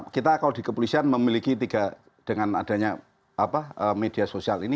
kita kalau di kepolisian memiliki tiga dengan adanya media sosial ini